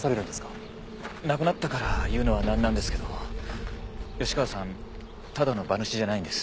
亡くなったから言うのはなんなんですけど吉川さんただの馬主じゃないんです。